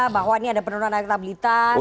bahwa ini ada penurunan elektabilitas